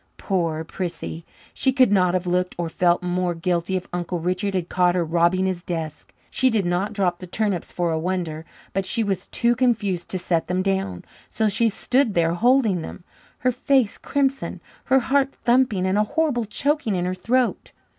Poor Prissy! She could not have looked or felt more guilty if Uncle Richard had caught her robbing his desk. She did not drop the turnips for a wonder; but she was too confused to set them down, so she stood there holding them, her face crimson, her heart thumping, and a horrible choking in her throat.